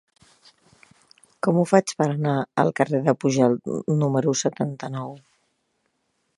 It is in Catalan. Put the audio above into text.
Com ho faig per anar al carrer de Pujalt número setanta-nou?